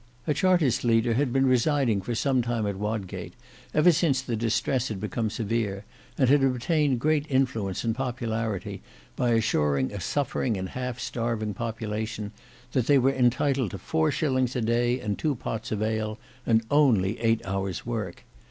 A Chartist leader had been residing for some time at Wodgate, ever since the distress had become severe, and had obtained great influence and popularity by assuring a suffering and half starving population, that they were entitled to four shillings a day and two pots of ale, and only eight hours' work.